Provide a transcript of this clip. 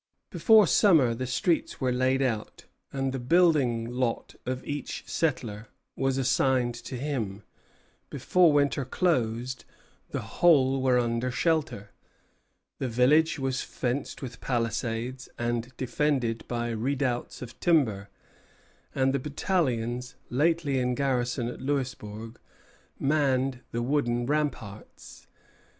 Before summer was over, the streets were laid out, and the building lot of each settler was assigned to him; before winter closed, the whole were under shelter, the village was fenced with palisades and defended by redoubts of timber, and the battalions lately in garrison at Louisbourg manned the wooden ramparts.